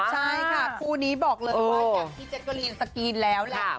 ใช่ค่ะคู่นี้บอกเลยว่าอย่างที่แจ๊กกะรีนสกรีนแล้วแหละ